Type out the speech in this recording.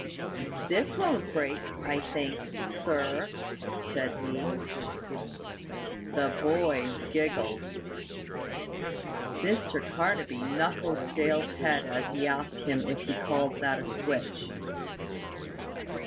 "This won't break, I think, sir," said he. The boys giggled. Mr Carnaby knuckled Dale's head as he asked him if he called that a switch.